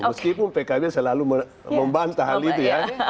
meskipun pkb selalu membantah hal itu ya